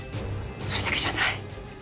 それだけじゃない。